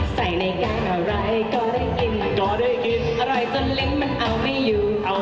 ใส่ในกลางอะไรก็ได้กินร้อยจนลิ้นมันเอาไม่อยู่